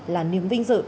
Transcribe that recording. là niềm vinh dự